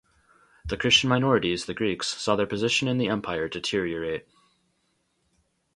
The Christian minorities, the Greeks, saw their position in the Empire deteriorate.